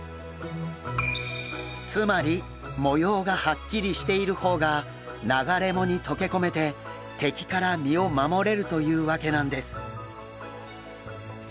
つまり模様がはっきりしている方が流れ藻にとけ込めて敵から身を守れるというわけなんです。